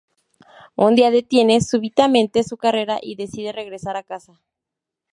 Un día detiene súbitamente su carrera y decide regresar a casa.